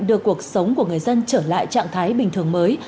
đưa cuộc sống của người dân trở lại trạng thái bình thường mới